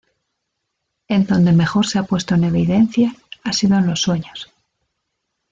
En donde mejor se ha puesto en evidencia ha sido en los sueños.